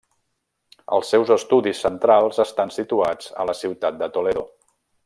Els seus estudis centrals estan situats a la ciutat de Toledo.